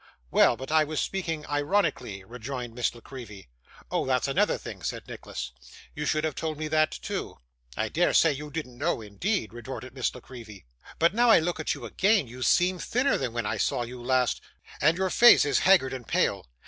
'Well; but I was speaking ironically,' rejoined Miss La Creevy. 'Oh! that's another thing,' said Nicholas; 'you should have told me that, too.' 'I dare say you didn't know, indeed!' retorted Miss La Creevy. 'But, now I look at you again, you seem thinner than when I saw you last, and your face is haggard and pale.